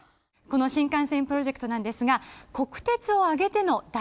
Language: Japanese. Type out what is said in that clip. この新幹線プロジェクトなんですが「国鉄」を挙げての大プロジェクトでした。